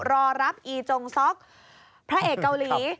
รอรับอีจงซ็อกพระเอกเกาหลี